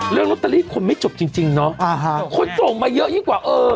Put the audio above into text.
เรื่องคุณไม่จบจริงจริงเนอะอ่าฮะคนส่งมาเยอะยิ่งกว่าเออ